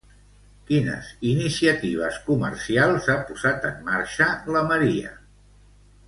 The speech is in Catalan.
Quines iniciatives comercials ha posat en marxa la Maria?